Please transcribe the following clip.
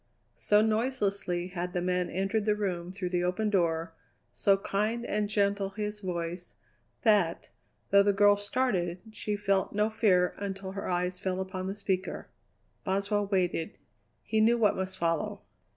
So noiselessly had the man entered the room through the open door, so kind and gentle his voice, that, though the girl started, she felt no fear until her eyes fell upon the speaker. Boswell waited. He knew what must follow.